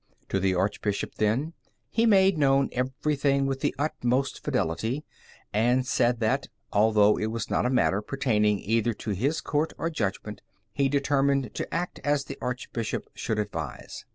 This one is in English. To the Archbishop, then, he made known everything with the utmost fidelity, and said that, although it was not a matter pertaining either to his court or judgment, he determined to act as the Archbishop should advise.